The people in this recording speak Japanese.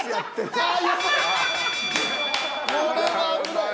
これは危ない。